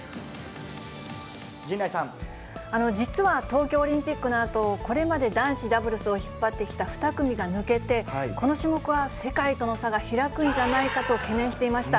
実は、東京オリンピックのあと、これまで男子ダブルスを引っ張ってきた２組が抜けて、この種目は世界との差が開くんじゃないかと懸念していました。